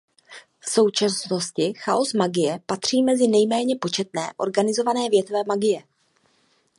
V současnosti chaos magie patří mezi nejméně početné organizované větve magie.